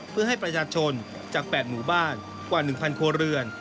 เพื่อให้ประชาชนจาก๘หมู่บ้านกว่า๑๐๐ครัวเรือน